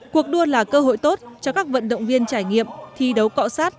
cuộc đua là cơ hội tốt cho các vận động viên trải nghiệm thi đấu cọ sát